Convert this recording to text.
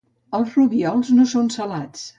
Els rubiols no són salats.